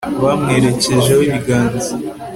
bamwerekejeho ibiganza